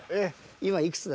「今いくつだ？」。